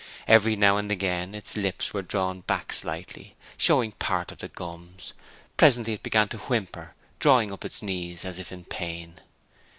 Every now and again its lips were drawn back slightly, showing part of the gums; presently it began to whimper, drawing up its knees as if in pain.